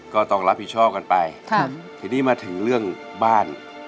ก็ต้องรับผิดชอบกันไปทีนี้มาถึงเรื่องบ้าน